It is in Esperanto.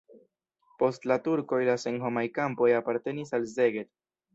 Post la turkoj la senhomaj kampoj apartenis al Szeged.